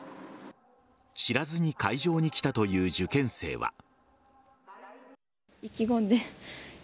知らずに会場に来たという受験生は。